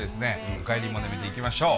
「おかえりモネ」見ていきましょう。